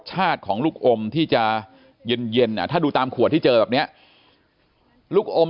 ของลูกอมที่จะเย็นเย็นถ้าดูตามขวดที่เจอแบบนี้ลูกอม